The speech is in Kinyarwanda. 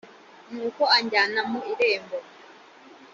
nuko anjyana mu irembo